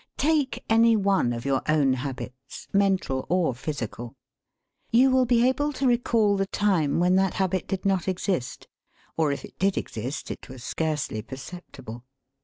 Take any one of your own habits, mental or physical. You will be able to recall the time when that habit did not exist, or if it did exist it was scarcely perceptible.